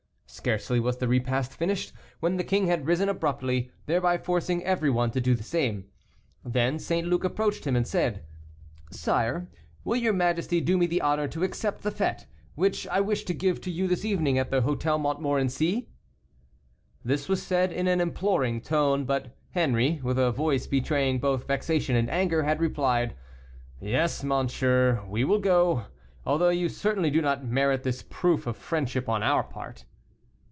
Scarcely was the repast finished, when the king had risen abruptly, thereby forcing everyone to do the same. Then St. Luc approached him, and said: "Sire, will your majesty do me the honor to accept the fête, which I wish to give to you this evening at the Hôtel Montmorency?" This was said in an imploring tone, but Henri, with a voice betraying both vexation and anger, had replied: "Yes, monsieur, we will go, although you certainly do not merit this proof of friendship on our part."